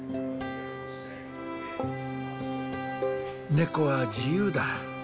猫は自由だ。